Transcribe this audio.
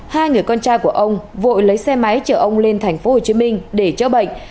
hai người con trai của ông vội lấy xe máy chở ông lên tp hcm để chữa bệnh